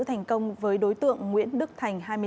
thành công với đối tượng nguyễn đức thành